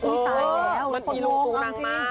อุ้ยตายแล้วคนลงเอาจริง